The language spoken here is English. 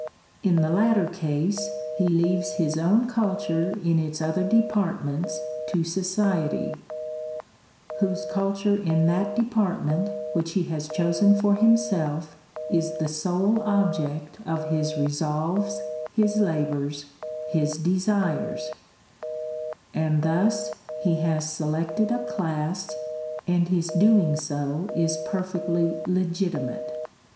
In the latter case, he leaves his own culture in its other departments to Society; whose cul ture in that department which he has chosen for himself is the sole object of his resolves, his labours, his desires ;— and thus he has selected a class, and his doing so is perfectly legitimate.